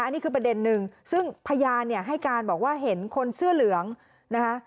อันนี้คือประเด็นหนึ่งซึ่งพยานเนี่ยให้การบอกว่าเห็นคนเสื้อเหลืองนะคะ